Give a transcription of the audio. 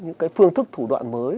và những cái phương thức thủ đoạn mới